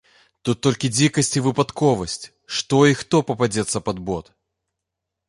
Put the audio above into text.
Тут толькі дзікасць і выпадковасць, што і хто пападзецца пад бот?!